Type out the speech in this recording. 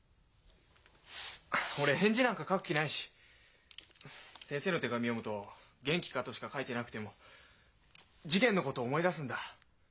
俺返事なんか書く気ないし先生の手紙読むと「元気か？」としか書いてなくても事件のこと思い出すんだ。